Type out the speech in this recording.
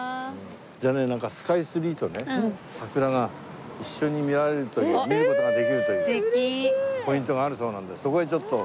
じゃあねなんかスカイツリーとね桜が一緒に見られるという見る事ができるというポイントがあるそうなんでそこへちょっと。